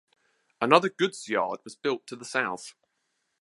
Another goods yard was built to the south.